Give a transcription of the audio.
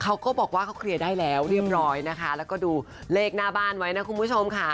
เขาก็บอกว่าเขาเคลียร์ได้แล้วเรียบร้อยนะคะแล้วก็ดูเลขหน้าบ้านไว้นะคุณผู้ชมค่ะ